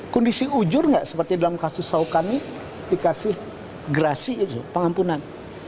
kondisi ujur nggak seperti dalam kasus sau kami dikasih gerasi itu pengampunan